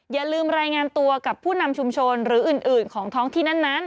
อย่าลืมรายงานตัวกับผู้นำชุมชนหรืออื่นของท้องที่นั้น